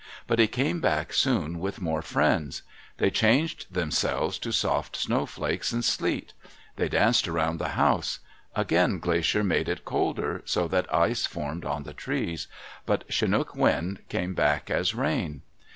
But he came back soon with more friends. They changed themselves to soft snowflakes and sleet. They danced around the house. Again Glacier made it colder, so that ice formed on the trees; but Chinook Wind came back as rain.